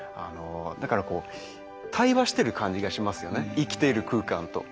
だからこう対話してる感じがしますよね生きている空間と。